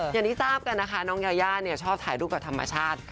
อย่างที่ทราบกันนะคะน้องยายาชอบถ่ายรูปกับธรรมชาติ